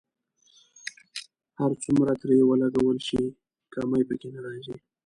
هر څومره ترې ولګول شي کمی په کې نه راځي.